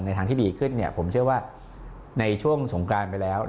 ทางที่ดีขึ้นผมเชื่อว่าในช่วงสงกรานไปแล้ว